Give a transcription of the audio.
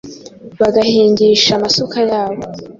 bagahingisha amasuka yabo